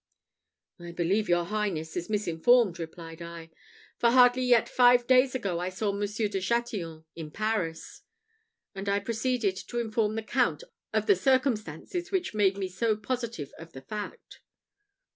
"I believe your highness is misinformed," replied I; "for hardly yet five days ago I saw Monsieur de Chatillon in Paris:" and I proceeded to inform the Count of the circumstances which made me so positive of the fact.